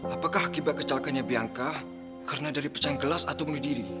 apakah akibat kecelakannya bianca karena dari pecahan gelas atau bunuh diri